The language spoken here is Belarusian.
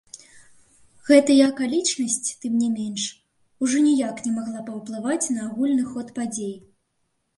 Гэтая акалічнасць, тым не менш, ужо ніяк не магла паўплываць на агульны ход падзей.